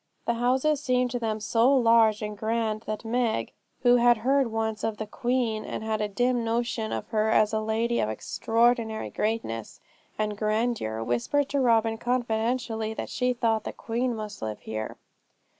The houses seemed to them so large and grand, that Meg, who had heard once of the Queen, and had a dim notion of her as a lady of extraordinary greatness and grandeur, whispered to Robin confidentially that she thought the Queen must live here.